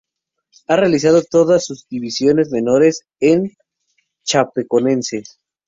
Ha realizado todas sus divisiones menores en Chapecoense.